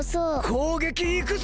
こうげきいくぞ！